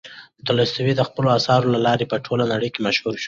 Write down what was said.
تولستوی د خپلو اثارو له لارې په ټوله نړۍ کې مشهور شو.